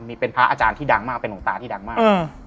มีเป็นพระอาจารย์ที่ดังมากเป็นหลวงตาที่ดังมาก